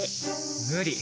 無理。